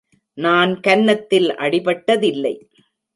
நான் கன்னத்தில் அடிபட்டதில்லை.